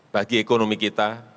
bagi ekonomi kita